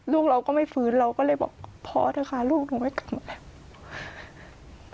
ลูกเราก็ไม่ฟื้นเราก็เลยบอกพอเถอะค่ะลูกหนูไม่กลับมา